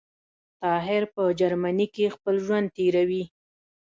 طاهر په جرمنی کي خپل ژوند تیروی